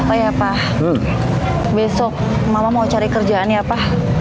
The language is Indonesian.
oh ya pa besok mama mau cari kerjaan ya pa